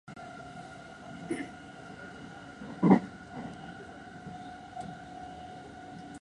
すっかり日が落ちた。